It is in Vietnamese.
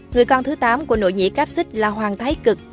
người con thứ tám của nội nhĩ cáp xích là hoàng thái cực